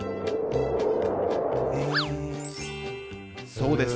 そうです。